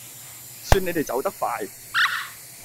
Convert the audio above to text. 算你哋走得快